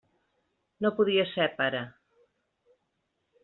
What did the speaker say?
No podia ser, pare!